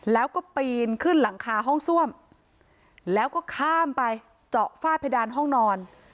แล้วก็ปีนขึ้นหลังคาห้องซ่วมแล้วก็ข้ามไปเจาะฝ้าเพดานห้องนอน